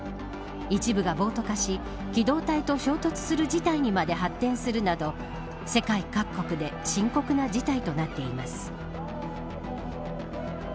一部が暴徒化し機動隊と衝突する事態にまで発展するなど世界各国で深刻な事態となっています。